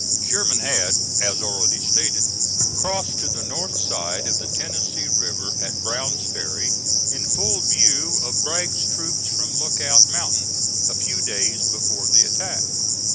Sherman had, as already stated, crossed to the north side of the Tennessee River at Brown's Ferry, in full view of Bragg's troops from Lookout Mountain, a few days before the attack.